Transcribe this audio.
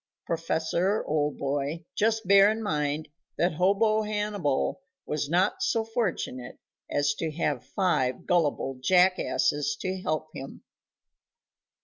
Prof., old boy, just bear in mind that hobo Hannibal was not so fortunate as to have five gullible jackasses to help him.